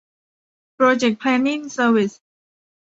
โปรเจค แพลนนิ่ง เซอร์วิส